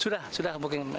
sudah sudah booking